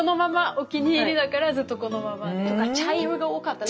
お気に入りだからずっとこのまま。とか茶色が多かったり。